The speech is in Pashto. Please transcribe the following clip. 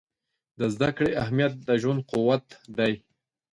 د زده کړې اهمیت د ژوند قوت دی.